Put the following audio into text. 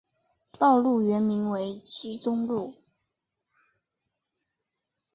道路原名为七中路。